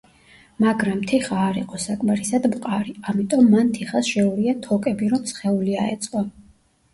მაგრამ თიხა არ იყო საკმარისად მყარი, ამიტომ მან თიხას შეურია თოკები, რომ სხეული აეწყო.